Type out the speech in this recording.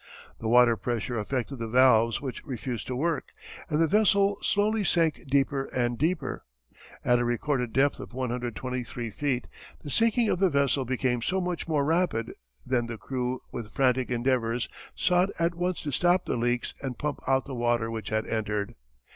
The water pressure affected the valves which refused to work and the vessel slowly sank deeper and deeper. At a recorded depth of 123 feet the sinking of the vessel became so much more rapid that the crew with frantic endeavours sought at once to stop the leaks and pump out the water which had entered.